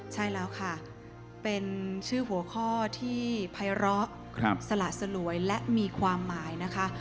ใช่แล้วค่ะเป็นชื่อหัวข้อที่ภัยร้อสละสลวยและมีความหมายนะคะ